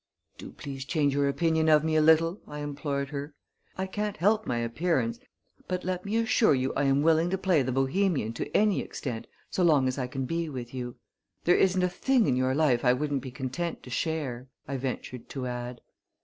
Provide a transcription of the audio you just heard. "Do please change your opinion of me a little," I implored her. "I can't help my appearance; but let me assure you I am willing to play the Bohemian to any extent so long as I can be with you. There isn't a thing in your life I wouldn't be content to share," I ventured to add.